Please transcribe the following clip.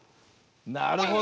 なるほど。